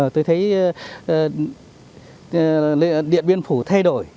tôi thấy điện biên phủ thay đổi